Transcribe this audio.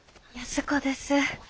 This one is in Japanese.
安子です。